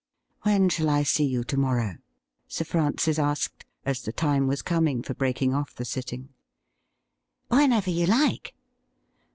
'When shall I see you to morrow.?' Sir Francis asked, as the time was coming for breaking off the sitting. ' Whenever you like.'